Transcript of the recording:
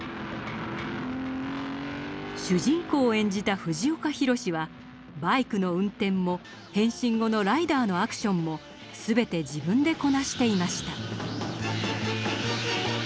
主人公を演じた藤岡弘、はバイクの運転も変身後のライダーのアクションも全て自分でこなしていました。